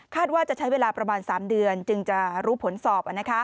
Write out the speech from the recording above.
ว่าจะใช้เวลาประมาณ๓เดือนจึงจะรู้ผลสอบ